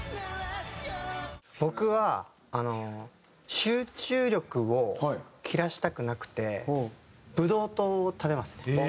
僕は集中力を切らしたくなくてブドウ糖を食べますね。